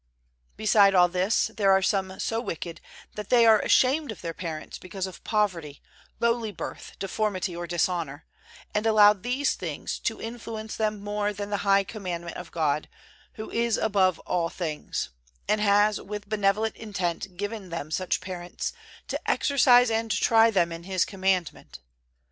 Beside all this, there are some so wicked that they are ashamed of their parents because of poverty, lowly birth, deformity or dishonor, and allow these things to influence them more than the high Commandment of God, Who is above all things, and has with benevolent intent given them such parents, to exercise and try them in His Commandment.